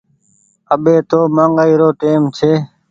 اٻي تو مآگآئي رو ٽيم ڇي۔